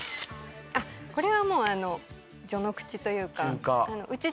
これはもう序の口というか。